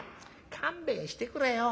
「勘弁してくれよ。